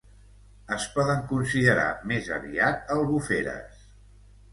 Es poden considerar més aviat albuferes.